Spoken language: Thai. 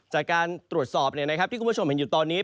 จากการตรวจสอบที่คุณผู้ชมเห็นอยู่ตอนนี้